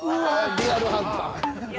◆リアルハンター。